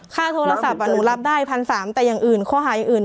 ค่าโทรศัพท์หนูรับได้๑๓๐๐บาทแต่อย่างอื่นข้อหาอย่างอื่น